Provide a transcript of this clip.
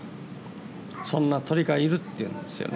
そんな鳥がいるっていうんですよね。